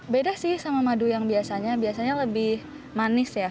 beda sih sama madu yang biasanya biasanya lebih manis ya